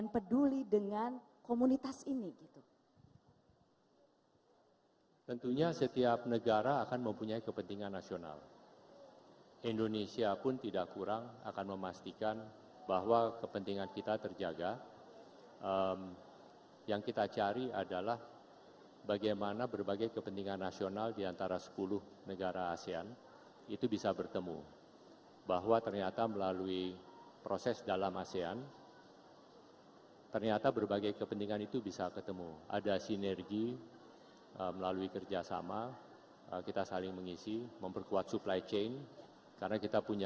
perikatan indonesia terhadap beberapa pihak untuk penyelesaian isu itu